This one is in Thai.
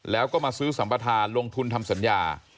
แล้วก็มาซื้อสัมปทานลงทุนทำสัญญา